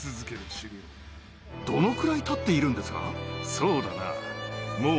そうだな。